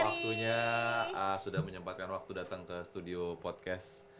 waktunya sudah menyempatkan waktu datang ke studio podcast